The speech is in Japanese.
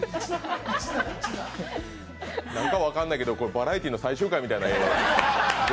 なんか分からないけどバラエティーの最終回みたいな。